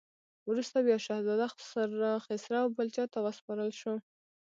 وروسته بیا شهزاده خسرو بل چا ته وسپارل شو.